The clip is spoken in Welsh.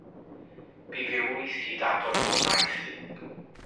Bu fyw wyth hyd at oedolaeth.